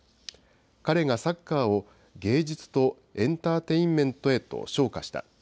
彼がサッカーを芸術とエンターテインメントへと昇華した。